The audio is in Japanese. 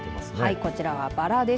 こちらはバラです。